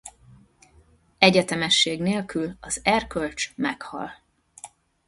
Egyetemesség nélkül az erkölcs meghal.